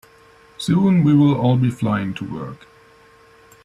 Soon, we will all be flying to work.